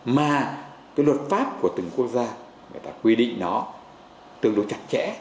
mà cái luật pháp của từng quốc gia người ta quy định nó tương đối chặt chẽ